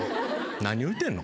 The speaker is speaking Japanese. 何を言うてんの？